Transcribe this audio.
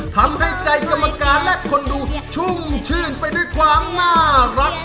ทำให้ใจกรรมการและคนดูชุ่มชื่นไปด้วยความน่ารัก